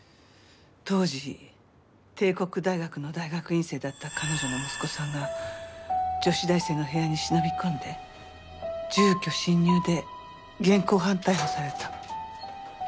当時帝国大学の大学院生だった彼女の息子さんが女子大生の部屋に忍び込んで住居侵入で現行犯逮捕されたの。